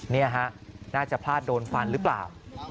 นี่ฮะน่าจะพลาดโดนฟันหรือเปล่า